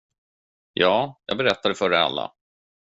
Ja, jag berättade det för er alla.